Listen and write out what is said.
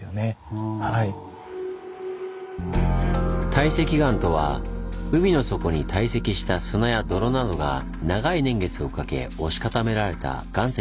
堆積岩とは海の底に堆積した砂や泥などが長い年月をかけ押し固められた岩石のこと。